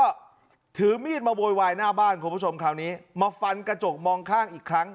ก็ถือมีดมาโวยวายหน้าบ้านคุณผู้ชมคราวนี้มาฟันกระจกมองข้างอีกครั้ง